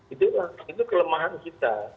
itulah itu kelemahan kita